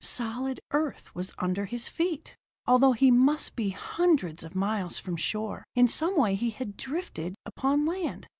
Solid earth was under his feet! Although he must be hundreds of miles from shore, in some way he had drifted upon land.